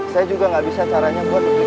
saya juga gak bisa caranya buat duplikat kuncinya